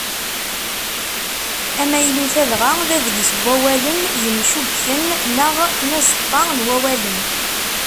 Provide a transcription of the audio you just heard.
Amaynut-a dɣa, d adlis n wawalen yemcubbken, neɣ n uẓeṭṭa n wawalen.